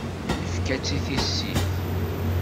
Nefka-tt i tissit.